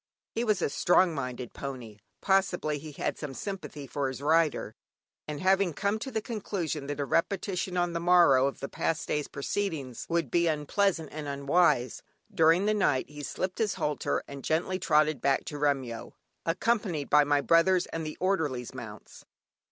He was a strong minded pony (possibly he had some sympathy for his rider) and having come to the conclusion that a repetition on the morrow of the past day's proceedings would be unpleasant and unwise, during the night he slipped his halter and gently trotted back to Remyo, accompanied by my brother's and the orderly's mounts.